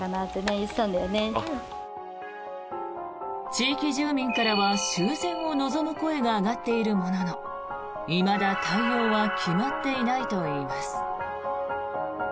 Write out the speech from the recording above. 地域住民からは修繕を望む声が上がっているもののいまだ、対応は決まっていないといいます。